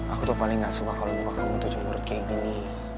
aku tuh paling enggak suka kalau muka kamu tuh cumbur gini